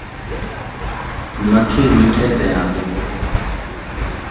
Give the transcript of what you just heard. مکھی مٹھے تے آن٘دی ہے